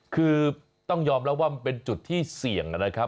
คือต้องยอมรับว่ามันเป็นจุดที่เสี่ยงนะครับ